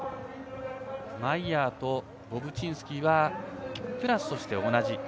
マイヤーとボブチンスキーはクラスとしては同じＬＷ８。